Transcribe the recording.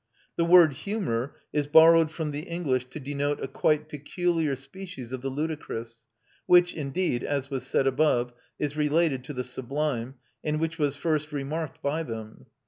The word humour is borrowed from the English to denote a quite peculiar species of the ludicrous, which indeed, as was said above, is related to the sublime, and which was first remarked by them.